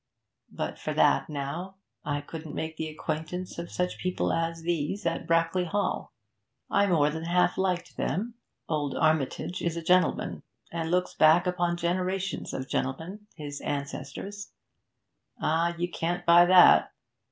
But for that, now, I couldn't make the acquaintance of such people as these at Brackley Hall. I more than half like them. Old Armitage is a gentleman, and looks back upon generations of gentlemen, his ancestors. Ah! you can't buy that!